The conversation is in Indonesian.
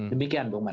demikian bung martin